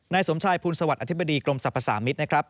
สมชายภูลสวัสดิอธิบดีกรมสรรพสามิตรนะครับ